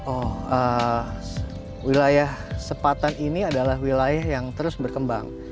oh wilayah sepatan ini adalah wilayah yang terus berkembang